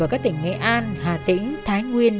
ở các tỉnh nghệ an hà tĩnh thái nguyên